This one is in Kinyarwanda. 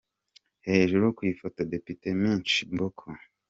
Hejuru ku ifoto: Depite Mishi Mboko.